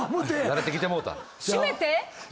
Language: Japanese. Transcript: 慣れてきてもうた。